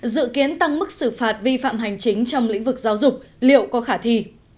dự kiến tăng mức xử phạt vi phạm hành chính trong lĩnh vực giáo dục liệu có khả thi